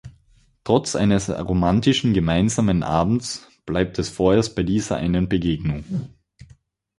Trotz eines romantischen gemeinsamen Abends bleibt es vorerst bei dieser einen Begegnung.